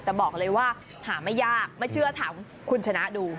แต่บอกเลยว่าหาไม่ยากไม่เชื่อถามคุณชนะดู